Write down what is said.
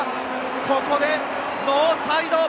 ここでノーサイド！